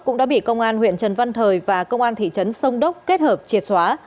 cũng đã bị công an huyện trần văn thời và công an thị trấn sông đốc kết hợp triệt xóa